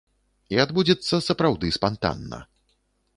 І адбудзецца сапраўды спантанна.